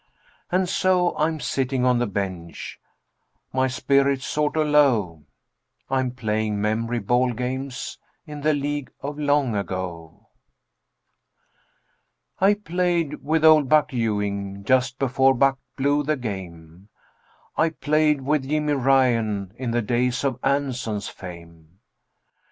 And so I'm sitting on the bench, my spirits sort o' low, And playing memory ball games in the League of Long Ago. I played with Old Buck Ewing just before Buck blew the game, I played with Jimmy Ryan in the days of Anson's fame.